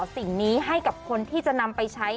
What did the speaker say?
สิ่งนี้ให้กับคนที่จะนำไปใช้